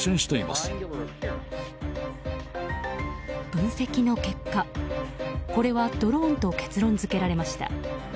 分析の結果、これはドローンと結論付けられました。